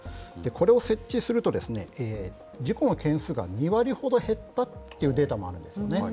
これを設置すると、事故の件数が２割ほど減ったっていうデータもあるんですよね。